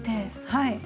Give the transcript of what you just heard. はい。